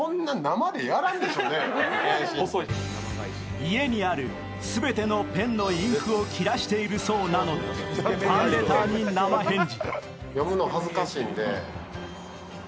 家にある全てのペンのインクを切らしているそうなので、ファンレターに生返事。